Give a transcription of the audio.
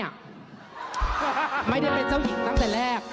ไม่ได้เป็นเจ้าหญิงตั้งแต่แรก